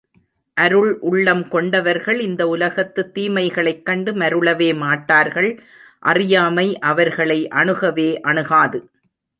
அருள் உள்ளம் கொண்டவர்கள் இந்த உலகத்துத் தீமைகளைக் கண்டு மருளவே மாட்டார்கள் அறியாமை அவர்களை அணுகவே அணுகாது.